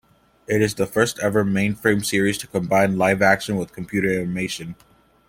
It is the first ever Mainframe series to combine live action with computer animation.